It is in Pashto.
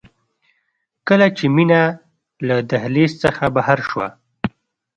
کله چې مينه له دهلېز څخه بهر شوه.